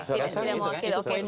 saya rasa itu kan